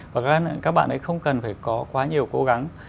và các bạn ấy không cần phải có quá nhiều cố gắng